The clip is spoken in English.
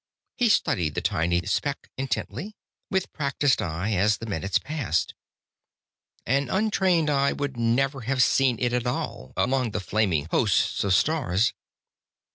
He studied the tiny speck intently, with practised eye, as the minutes passed an untrained eye would never have seen it at all, among the flaming hosts of stars.